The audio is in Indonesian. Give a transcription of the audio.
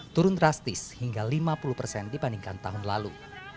turun drastis hingga lima puluh persen dibandingkan tahun lalu